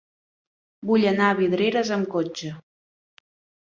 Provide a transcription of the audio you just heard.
Vull anar a Vidreres amb cotxe.